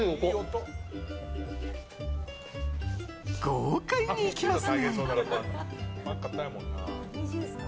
豪快にいきます。